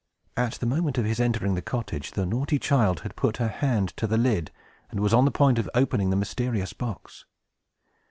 At the moment of his entering the cottage, the naughty child had put her hand to the lid, and was on the point of opening the mysterious box.